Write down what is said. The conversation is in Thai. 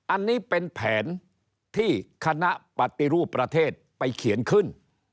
อันนี้เป็นแผนที่คณะปฏิรูปประเทศไปเขียนขึ้น